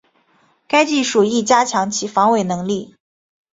该技术亦加强其防伪能力。